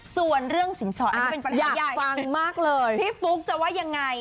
ส่วนเรื่องสินสอดอันนี้เป็นประหยัดฟังมากเลยพี่ฟุ๊กจะว่ายังไง